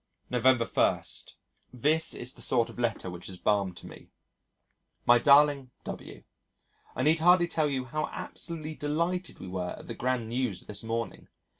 November 1. This is the sort of letter which is balm to me: "My darling W , I need hardly tell you how absolutely delighted we were at the grand news of this morning.